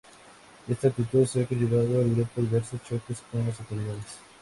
Esta actitud ha conllevado al grupo diversos choques con las autoridades.